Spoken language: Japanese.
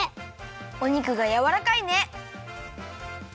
お肉がやわらかいね！